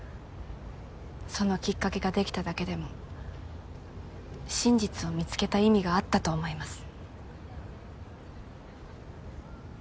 そのきっかけができただけでも真実を見つけた意味があったと思います。